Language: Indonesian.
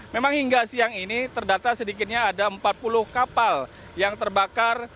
memang hingga siang ini terdata sedikitnya ada empat puluh kapal yang terbakar